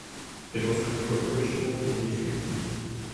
It was controversial for these reasons.